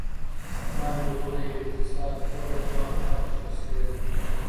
دا موضوع د يوه اقتصاد پوه لخوا تشرېح سوې ده.